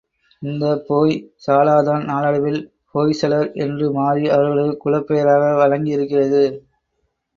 இந்தப் போய் சாலாதான் நாளடைவில் ஹோய்சலர் என்று மாறி அவர்களது குலப் பெயராக வழங்கியிருக்கிறது.